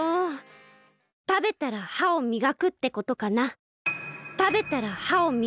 食べたら歯を磨くってことかな。